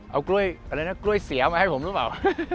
เอากล้วยเสียวมาให้ผมรึเปล่า